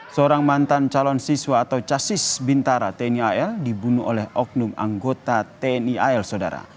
seorang mantan calon siswa atau casis bintara tni al dibunuh oleh oknum anggota tni al sodara